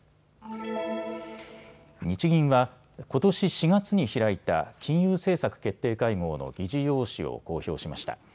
日銀は、ことし４月に開いた金融政策決定会合の議事要旨を公表しました。